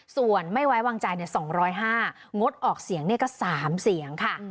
ส่วนไม่ไว้วางใจสองร้อยห้างดออกเสียงเนี่ยก็สามเสียงค่ะ